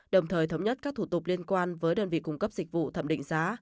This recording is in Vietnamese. đồng thời thống nhất các thủ tục liên quan với đơn vị cung cấp dịch vụ thẩm định giá